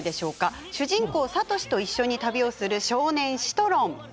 主人公、サトシと一緒に旅をする少年、シトロン。